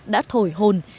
đã thổi hồn